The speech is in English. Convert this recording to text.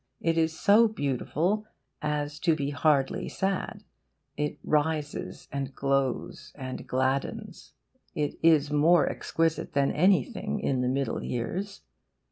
It is so beautiful as to be hardly sad; it rises and glows and gladdens. It is more exquisite than anything in THE MIDDLE YEARS.